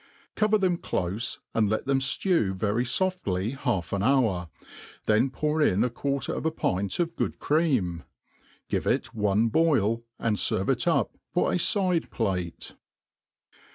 Cover them clofe, and let 'them ftew very foftly half an hour, then pour in a quarter of a pint of* good cream. Give it one boil, and ferve it up for a fide plate.